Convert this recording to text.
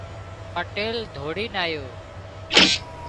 پٽيل ڌوڙينَ آيو